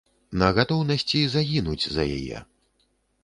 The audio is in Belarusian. На гатоўнасці загінуць за яе.